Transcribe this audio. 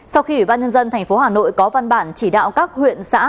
sau khi ủy ban nhân dân tp hà nội có văn bản chỉ đạo các huyện xã